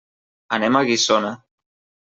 Anem a Guissona.